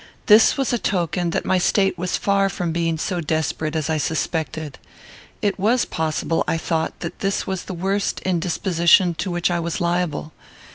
This was a token that my state was far from being so desperate as I suspected. It was possible, I thought, that this was the worst indisposition to which I was liable.